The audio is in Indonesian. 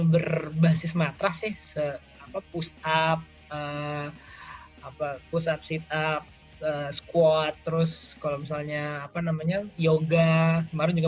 berbasis matras se push up push up sit up squat terus kalau misalnya apa namanya yoga maru juga